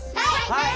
はい！